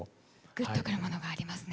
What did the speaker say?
グッとくるものがありますね。